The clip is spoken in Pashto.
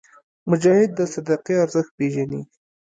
مجاهد د صدقې ارزښت پېژني.